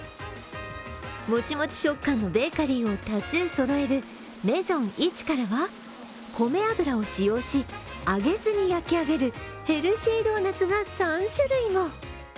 もちもち食感のベーカリーを多数そろえるメゾン・イチからは米油を使用し、揚げずに焼き上げるヘルシードーナツが３種類も。